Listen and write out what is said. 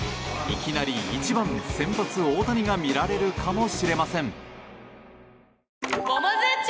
いきなり１番、先発大谷が見られるかもしれません。